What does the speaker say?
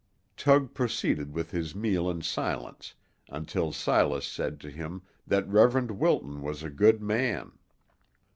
Tug proceeded with his meal in silence until Silas said to him that Reverend Wilton was a good man.